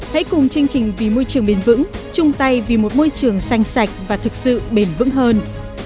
hãy cùng chương trình vì môi trường bền vững chung tay vì một môi trường xanh sạch và thực sự bền vững hơn